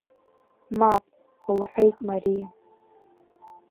Мап, – лҳәеит Мариа.